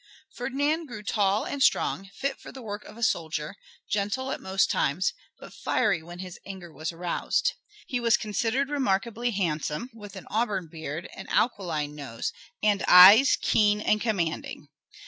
Ferdinand grew tall and strong, fit for the work of a soldier, gentle at most times, but fiery when his anger was aroused. He was considered remarkably handsome, with an auburn beard, an aquiline nose, and eyes keen and commanding.